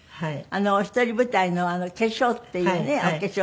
一人舞台の『化粧』っていうねお化粧。